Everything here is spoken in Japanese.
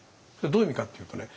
どういう意味かっていうとね